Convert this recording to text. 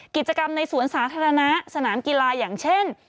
กิจกรรมในสวนสาธารณะสนามกีฬาอย่างเช่น